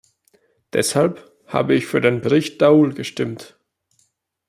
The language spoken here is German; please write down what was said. Deshalb habe ich für den Bericht Daul gestimmt.